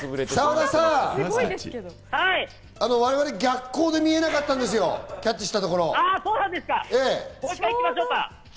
澤田さん、我々、逆光で見えなかったんですよ、キャッチしたところ。